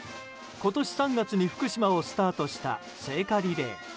今年３月に福島をスタートした聖火リレー。